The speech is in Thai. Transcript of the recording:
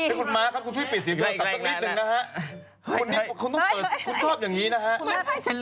คุณต้องเปิดคุณโทษอย่างนี้นะฮะ